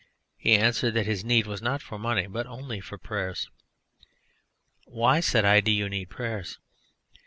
He answered that his need was not for money but only for prayers. "Why," said I, "do you need prayers?"